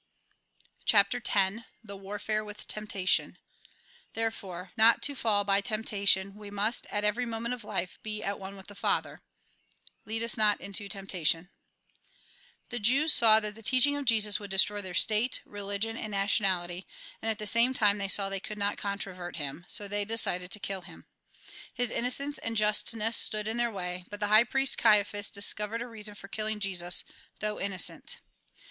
CHAPTEE X THE WARFAKE "WITH TEMPTATION Therefore, not to fall by temptation, we must, at every moment of life, be at one with ttie Father ("XeaO US not tnto tcmptatton") The Jews saw that the teaching of Jesus would destroy their State, religion, and nationality, and at the same time they saw they could not controvert him; so they decided to kill him. His innocence and justness stood in their way, but the high priest Caiaphas discovered a reason for killing Jesus, though innocent.